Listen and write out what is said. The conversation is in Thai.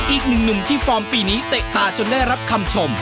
อีกหนึ่งหนุ่มที่ฟอร์มปีนี้เตะตาจนได้รับคำชม